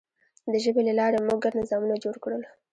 د ژبې له لارې موږ ګډ نظامونه جوړ کړل.